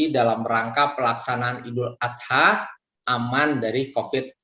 dalam rangka pelaksanaan idul adha aman dari covid sembilan belas